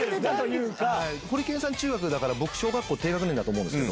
ホリケンさん中学だから僕小学校低学年だと思うんです。